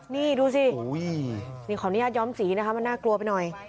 นี่ดูสินี่ขออนุญาตย้อมสีนะคะมันน่ากลัวไปหน่อย